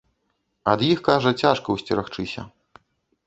Ад іх, кажа, цяжка ўсцерагчыся.